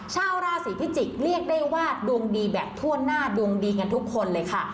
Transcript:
ชาวราศีพิจิกษ์เรียกได้ว่าดวงดีแบบทั่วหน้าดวงดีกันทุกคนเลยค่ะ